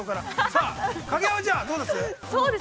さあ、影山ちゃん、どうです？